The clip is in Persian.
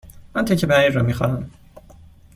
آن تکه پنیر را می خواهم.